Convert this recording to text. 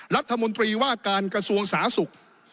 รัฐมนตรีวาดการกระทรวงสาศุกร์